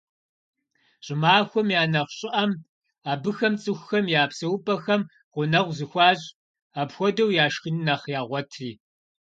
ЩӀымахуэм я нэхъ щӀыӀэм абыхэм цӀыхухэм я псэупӀэхэм гъунэгъу зыхуащӀ, апхуэдэу яшхын нэхъ ягъуэтри.